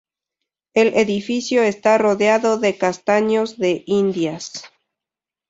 El edificio está rodeado de castaños de Indias.